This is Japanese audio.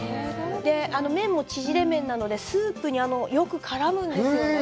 麺もちぢれ麺なのでスープによく絡むんですよね。